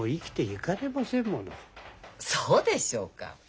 そうでしょうか。